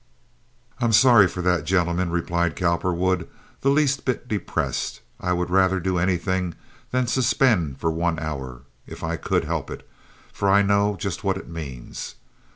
"I'm sorry for that, gentlemen," replied Cowperwood, the least bit depressed. "I would rather do anything than suspend for one hour, if I could help it, for I know just what it means.